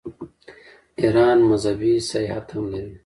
ایران مذهبي سیاحت هم لري.